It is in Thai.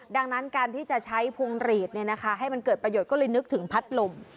ดังนั้นการที่จะใช้พวงหลีดให้มันเกิดประโยชน์ก็เลยนึกถึงพัดลม